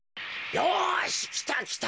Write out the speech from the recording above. よしきたきた。